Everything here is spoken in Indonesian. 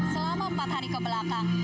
selama empat hari kebelakang